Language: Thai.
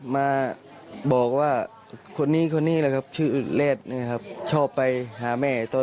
มาบอกว่าคนนี้คนนี้นะครับชื่อเลสนะครับชอบไปหาแม่ตัว